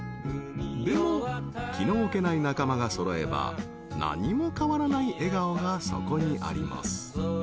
［でも気の置けない仲間が揃えば何も変わらない笑顔がそこにあります］